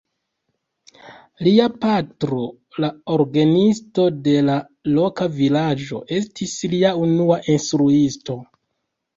Lia patro, la orgenisto de la loka vilaĝo, estis lia unua instruisto.